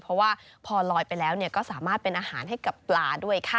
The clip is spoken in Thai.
เพราะว่าพอลอยไปแล้วก็สามารถเป็นอาหารให้กับปลาด้วยค่ะ